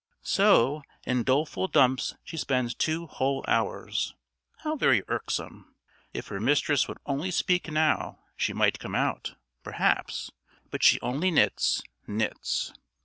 So in doleful dumps she spends two whole hours. How very irksome! If her mistress would only speak now, she might come out, perhaps; but she only knits, knits.